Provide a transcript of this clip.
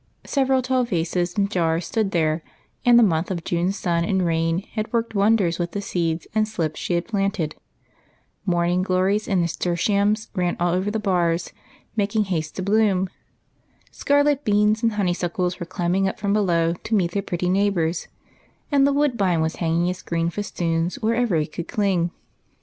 Several tall vases and jars stood there, and a month of June sun and rain had worked won ders with the seeds and slips she had planted. Morn ing glories and nasturtiums ran all over the bars, making haste to bloom. Scarlet beans and honey suckles were climbing up from below to meet their pretty neighbors, and the woodbine was hanging its green festoons wherever it could cling.